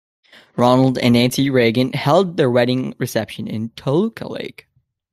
Ronald and Nancy Reagan held their wedding reception in Toluca Lake.